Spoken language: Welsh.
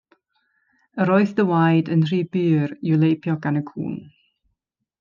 Yr oedd dy waed yn rhy bur i'w leipio gan y cŵn.